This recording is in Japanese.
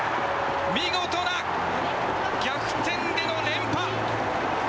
見事な逆転での連覇！